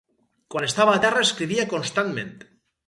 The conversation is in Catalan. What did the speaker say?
Quan estava a terra escrivia constantment.